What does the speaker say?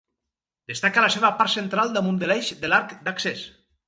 Destaca la seva part central damunt de l'eix de l'arc d'accés.